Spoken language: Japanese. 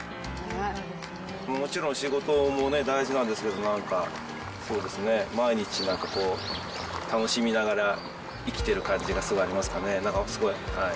もちろん仕事もね、大事なんですけど、なんかそうですね、毎日なんかこう、楽しみながら生きてる感じがすごいありますかね、すごい。